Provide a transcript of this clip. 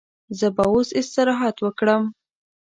زه به اوس استراحت وکړم.